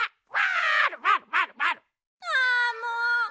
ああもう！